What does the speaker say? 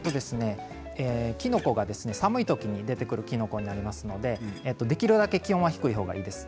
きのこが寒い時に出てくるきのこになりますのでできるだけ気温は低い方がいいです。